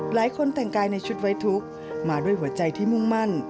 หลายคนแต่งกายในชุดไว้ทุกข์มาด้วยหัวใจที่มุ่งมั่น